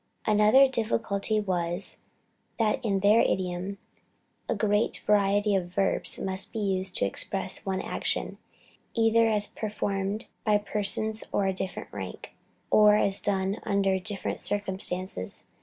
Another difficulty was, that in their idiom, a great variety of verbs must be used to express one action, either as performed by persons of different rank, or as done under different circumstances.